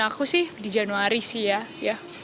dan aku sih di januari sih ya